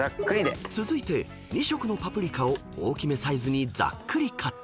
［続いて２色のパプリカを大きめサイズにざっくりカット］